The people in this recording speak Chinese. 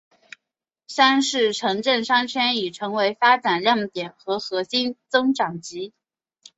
三是城镇商圈已经成为发展亮点和核心增长极。